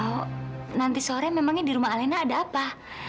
oh nanti sore memangnya di rumah alena ada apa